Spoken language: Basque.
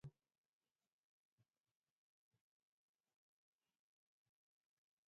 Namur ondorengo hiriekin senidetuta dago.